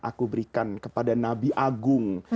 aku berikan kepada nabi agung